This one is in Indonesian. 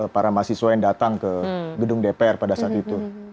para mahasiswa yang datang ke gedung dpr pada saat itu